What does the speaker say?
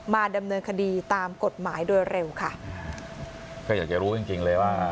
ดำเนินคดีตามกฎหมายโดยเร็วค่ะก็อยากจะรู้จริงจริงเลยว่า